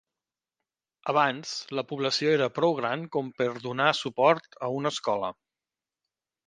Abans, la població era prou gran com per donar suport a una escola.